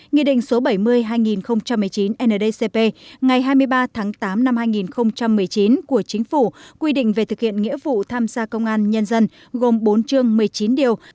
nghị định số bảy mươi hai nghìn một mươi chín ndcp ngày hai mươi ba tháng tám năm hai nghìn một mươi chín của chính phủ quy định về thực hiện nghĩa vụ tham gia công an nhân dân gồm bốn chương một mươi chín điều